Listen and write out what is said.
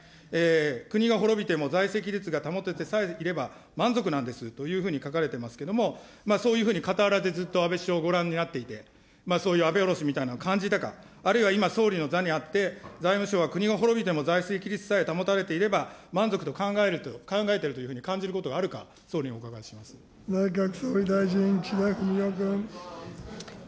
国が滅びても財政規律さえ保ててさえいれば満足なんですというふうに書かれてますけども、そういうふうに傍らでずっと安倍首相をご覧になっていて、そういう安倍降ろしみたいなのを感じたか、あるいは今、総理の座にあって、財務省が国が滅びても財政規律さえ保たれていれば満足というふうに考えているというふうに感じることがあるか、総理にお伺い内閣総理大臣、岸田文雄君。